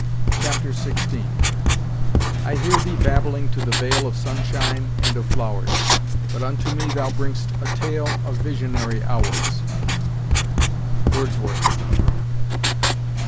Chapter XVI "I hear thee babbling to the vale Of sunshine and of flowers, But unto me thou bring'st a tale Of visionary hours." Wordsworth.